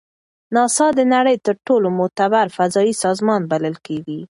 ناسا د نړۍ تر ټولو معتبر فضایي سازمان بلل کیږي.